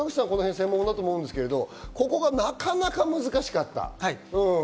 専門だと思うんですけど、ここがなかなか難しかった。